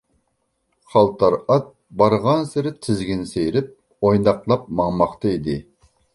خالتار ئات بارغانسېرى تىزگىن سىيرىپ، ئويناقلاپ ماڭماقتا ئىدى.